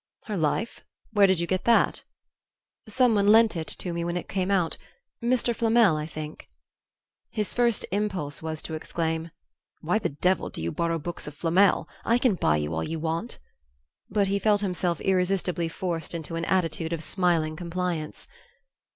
"Her life? Where did you get that?" "Someone lent it to me when it came out Mr. Flamel, I think." His first impulse was to exclaim, "Why the devil do you borrow books of Flamel? I can buy you all you want " but he felt himself irresistibly forced into an attitude of smiling compliance.